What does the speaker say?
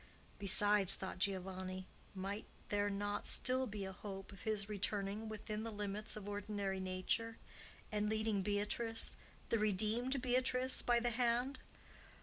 Besides, thought Giovanni, might there not still be a hope of his returning within the limits of ordinary nature, and leading Beatrice, the redeemed Beatrice, by the hand?